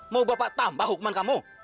mau bapak tambah hukuman kamu